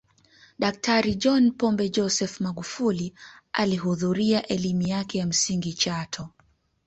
Daktari John Pombe Joseph Magufuli alihudhuria elimu yake ya msingi chato